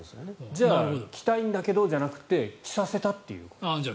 じゃあ着たいんだけどじゃなくて着させたという。